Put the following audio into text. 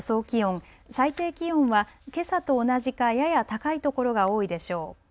気温、最低気温はけさと同じかやや高いところが多いでしょう。